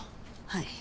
はい。